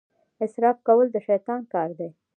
اسراف کول د شیطان کار دی.